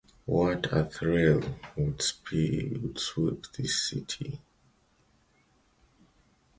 What a thrill would sweep this country.